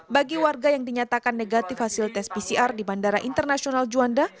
bagi warga yang dinyatakan negatif hasil tes pcr di bandara internasional juanda